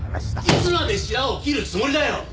いつまでシラを切るつもりだよ！